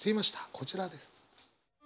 こちらです。